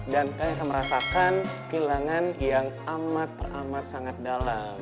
dan kalian akan merasakan kehilangan yang amat amat sangat dalam